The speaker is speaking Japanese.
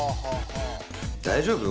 大丈夫？